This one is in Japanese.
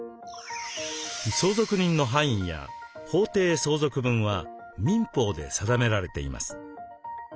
相続人の範囲や法定相続分は民法で定められています。